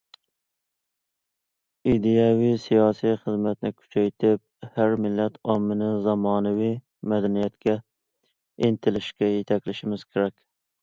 ئىدىيەۋى سىياسىي خىزمەتنى كۈچەيتىپ، ھەر مىللەت ئاممىنى زامانىۋى مەدەنىيەتكە ئىنتىلىشكە يېتەكلىشىمىز كېرەك.